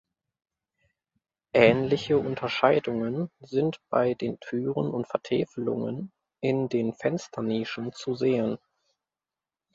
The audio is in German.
Ähnliche Unterscheidungen sind bei den Türen und Vertäfelungen in den Fensternischen zu sehen.